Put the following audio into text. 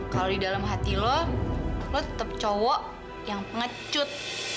kalau di dalam hati lo lo tetap cowo yang pengecut